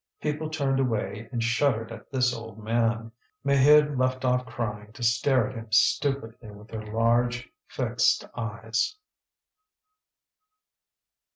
People turned away and shuddered at this old man. Maheude left off crying to stare at him stupidly with her large fixed eyes.